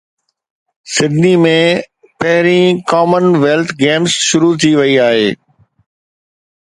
Sydney ۾ پهرين Commonwealth games شروع ٿي وئي آهي